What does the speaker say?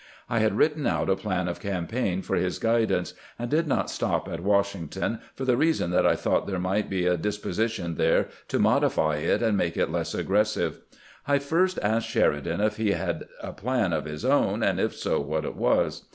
I had written out a plan of cam paign for his guidance, and did not stop at Washington for the reason that I thought there might be a disposi tion there to modify it and make it less aggressive. I 297 298 CAMPAIGNING "WITH GKANT first asked Sheridan if he had a plan of his own, and if so, what it was.